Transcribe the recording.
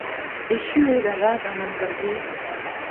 Echu eo, da vat, an amzer-se !